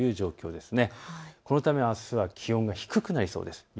このため、あすは気温が低くなりそうです。